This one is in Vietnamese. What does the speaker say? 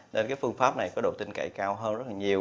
nên cái phương pháp này có độ tin cậy cao hơn rất là nhiều